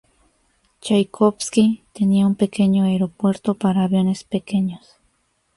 Chaikovski tenía un pequeño aeropuerto para aviones pequeños.